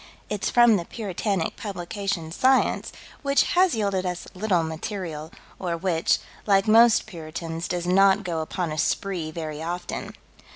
It's from the puritanic publication, Science, which has yielded us little material, or which, like most puritans, does not go upon a spree very often.